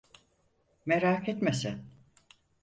Merak etme sen.